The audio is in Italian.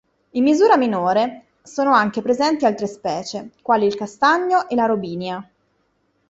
In misura minore sono anche presenti altre specie quali il castagno e la robinia.